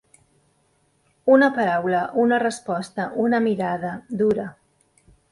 Una paraula, una resposta, una mirada, dura.